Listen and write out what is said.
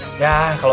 makanya gajinya besar